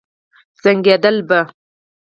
زنګېدل به.